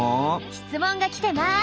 質問が来てます。